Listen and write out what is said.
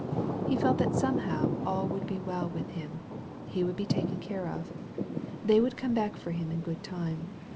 He felt that somehow all would be well with him; he would be taken care of. Th^ would come back for him in good time.